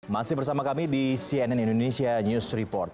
masih bersama kami di cnn indonesia news report